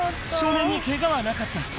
少年にけがはなかった。